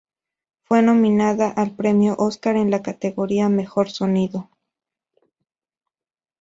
Fue nominada al premio Oscar en la categoría Mejor sonido.